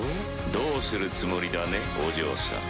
どうするつもりだねお嬢さん。